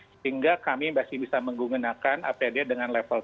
sehingga kami masih bisa menggunakan apd dengan level tiga